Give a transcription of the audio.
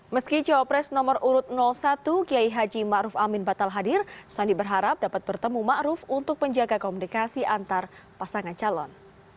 meski jawab pres nomor urut satu kiai haji ma'ruf amin batal hadir sandi berharap dapat bertemu ma'ruf untuk menjaga komunikasi antar pasangan calon